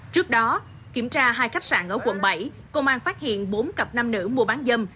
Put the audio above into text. trước đó kiểm tra hai khách sạn ở quận bảy công an phát hiện bốn cặp nam nữ mua bán dâm